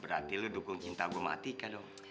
berarti lo dukung cinta gue sama atika dong